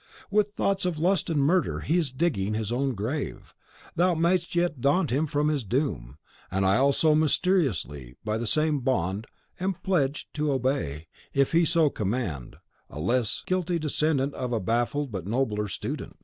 With thoughts of lust and murder, he is digging his own grave; thou mayest yet daunt him from his doom. And I also mysteriously, by the same bond, am pledged to obey, if he so command, a less guilty descendant of a baffled but nobler student.